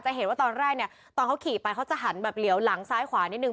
เห็นว่าตอนแรกเนี่ยตอนเขาขี่ไปเขาจะหันแบบเหลียวหลังซ้ายขวานิดนึ